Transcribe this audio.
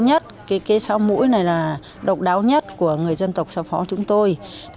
cái sáo mũi này là độc đáo nhất của người dân tộc xa phó chúng tôi